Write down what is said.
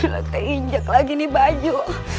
liatnya injak lagi nih baju